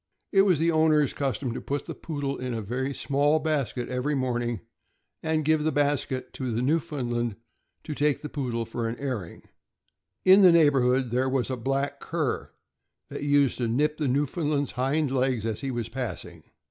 It was the owner's custom to put the Poodle in a small basket every morning, and give the basket to the Newfoundland to take the Poodle for an airing. In the neighborhood there was a black cur that used to nip the Newfoundland' s hind legs as he was passing.